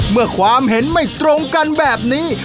เมื่อความเห็นไม่ตรงกันแบบนี้